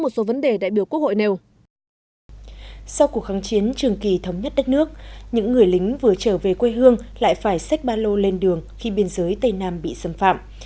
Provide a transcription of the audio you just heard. sau cuộc kháng chiến trường kỳ thống nhất đất nước những người lính vừa trở về quê hương lại phải xách ba lô lên đường khi biên giới tây nam bị xâm phạm